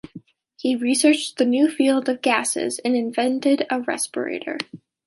He researched the new field of gases, and invented a respirator.